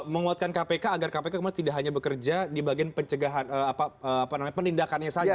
menguatkan kpk agar kpk tidak hanya bekerja di bagian penindakannya saja